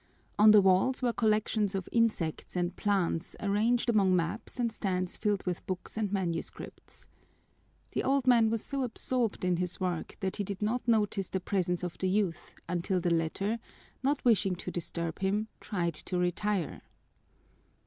On the walls were collections of insects and plants arranged among maps and stands filled with books and manuscripts. The old man was so absorbed in his work that he did not notice the presence of the youth until the latter, not wishing to disturb him, tried to retire.